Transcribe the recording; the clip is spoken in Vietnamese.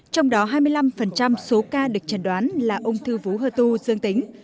trong đó hai mươi năm số ca được chẩn đoán là ung thư vú hơ tu dương tính